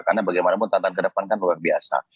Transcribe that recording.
karena bagaimanapun tantangan ke depan kan luar biasa